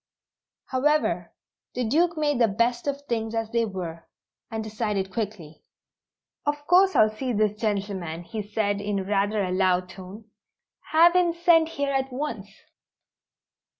However, the Duke made the best of things as they were, and decided quickly. "Of course I'll see this gentleman," he said in rather a loud tone. "Have him sent here at once."